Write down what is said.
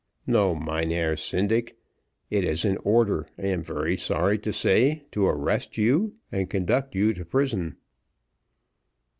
"No, Mynheer Syndic. It is an order I am very sorry to say to arrest you, and conduct you to prison."